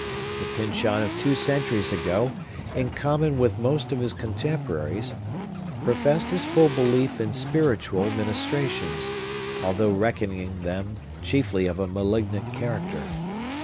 The Pyncheon of two centuries ago, in common with most of his contemporaries, professed his full belief in spiritual ministrations, although reckoning them chiefly of a malignant character.